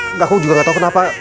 enggak aku juga gak tau kenapa